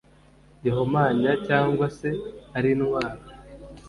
gihumanya cyangwa se ari intwaro